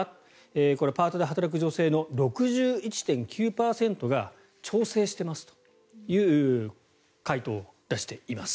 これ、パートで働く女性の６１．９％が調整してますという回答を出しています。